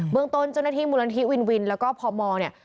เมืองต้นเจ้าหน้าที่มูลนิธิวินวินแล้วก็พมเนี่ย